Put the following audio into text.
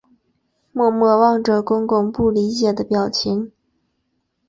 默默望着公公不理解的表情